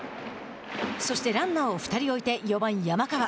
そして、ランナーを２人置いて４番山川。